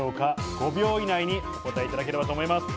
５秒以内にお答えいただければと思います。